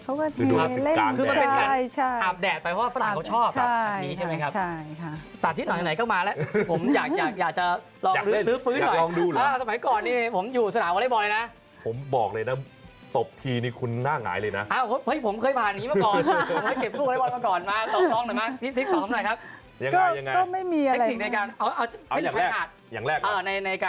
เพราะอย่างไรก็ไม่มีอะไร